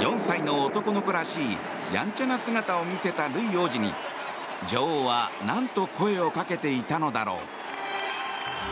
４歳の男の子らしいやんちゃな姿を見せたルイ王子に女王は何と声をかけていたのだろう。